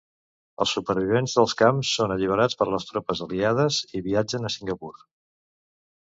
Els supervivents dels camps són alliberats per les tropes aliades i viatgen a Singapur.